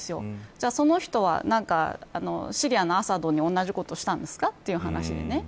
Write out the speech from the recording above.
じゃあ、その人はシリアのアサドに同じことをしたんですかという話でね。